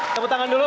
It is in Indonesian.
tepuk tangan dulu